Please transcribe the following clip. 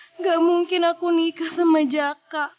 enggak mungkin aku nikah sama jaka